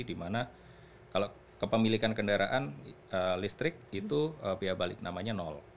di mana kalau kepemilikan kendaraan listrik itu biaya balik namanya